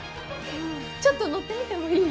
ちょっと乗ってみてもいい？